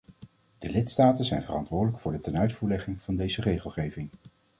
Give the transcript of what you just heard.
De lidstaten zijn verantwoordelijk voor de tenuitvoerlegging van deze regelgeving.